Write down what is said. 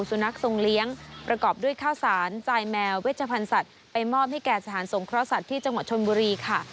สุนัขทรงเลี้ยงประกอบด้วยข้าวสารจ่ายแมวเวชพันธ์สัตว์ไปมอบให้แก่สถานสงเคราะสัตว์ที่จังหวัดชนบุรีค่ะ